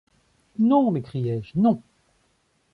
Non ! m’écriai-je, non !